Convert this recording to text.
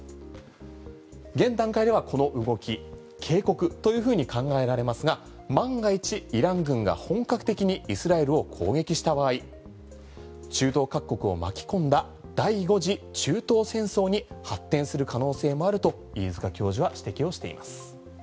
現段階ではこの動き警告というふうに考えられますが万が一イラン軍が本格的にイスラエルを攻撃した場合中東各国を巻き込んだ第５次中東戦争に発展する可能性もあると飯塚教授は指摘をしています。